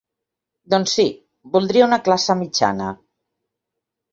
Doncs sí, voldria una classe mitjana.